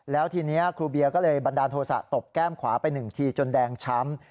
แล้วทีนี้ครูเบียก็เลยบันดาลโทษะตบแก้มขวาไปหนึ่งทีจนแดงช้ำ